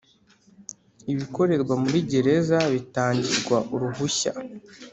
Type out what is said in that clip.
Ibikorerwa muri gereza bitangirwa uruhushya.